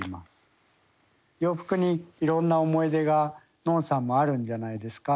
洋服にいろんな思い出がのんさんもあるんじゃないですか？